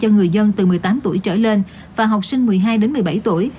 cho người dân từ một mươi tám tuổi trở lên và học sinh một mươi hai đến một mươi bảy tuổi